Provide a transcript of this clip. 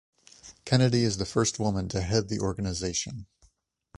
Kennedy is the first woman to head the organization.